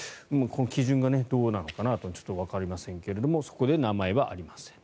基準がどうなのかなとちょっとわかりませんがそこで名前はありません。